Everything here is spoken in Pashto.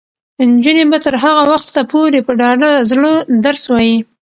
نجونې به تر هغه وخته پورې په ډاډه زړه درس وايي.